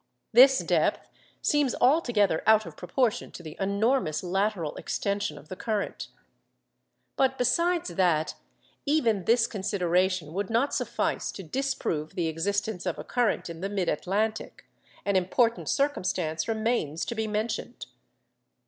This depth seems altogether out of proportion to the enormous lateral extension of the current. But besides that even this consideration would not suffice to disprove the existence of a current in the mid Atlantic, an important circumstance remains to be mentioned.